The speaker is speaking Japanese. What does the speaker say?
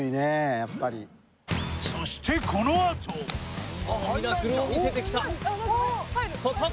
やっぱりそしてこのあとミラクルを見せてきたさあタコ？